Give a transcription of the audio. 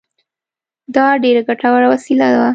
دا ډېره ګټوره وسیله وه.